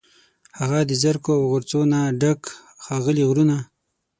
هغه د زرکو، او غرڅو، نه ډک، ښاغلي غرونه